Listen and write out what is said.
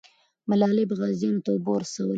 ملالۍ به غازیانو ته اوبه رسولې.